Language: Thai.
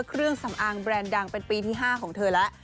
เครื่องสำอางแบรนด์ดังเป็นปีที่๕ของเธอแล้ว